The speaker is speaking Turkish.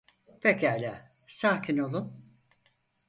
Pekala, sakin olun.